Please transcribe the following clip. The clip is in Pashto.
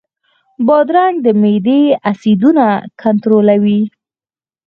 بادرنګ د معدې اسیدونه کنټرولوي.